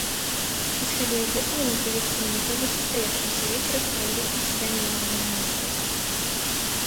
Исходя из этого, мы приветствуем итоги состоявшегося вчера в Каире заседания на уровне министров.